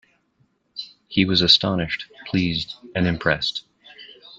He was astonished, pleased and impressed.